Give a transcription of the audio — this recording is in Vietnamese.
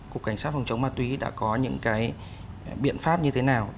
cục cảnh sát phòng chống ma túy đã có những cái biện pháp như thế nào